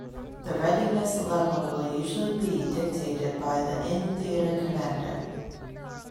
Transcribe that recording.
The readiness level will usually be dictated by the in-theatre commander.